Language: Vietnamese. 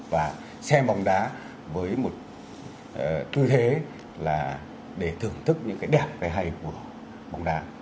và xem bóng đá với một tư thế là để thưởng thức những cái đẹp hay của bóng đá